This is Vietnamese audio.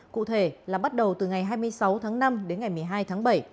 cụ thể là bắt đầu từ ngày hai mươi sáu tháng năm đến ngày một mươi hai tháng bảy